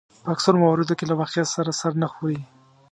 په اکثرو مواردو کې له واقعیت سره سر نه خوري.